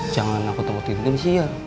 jangan aku temukan tindem sih ya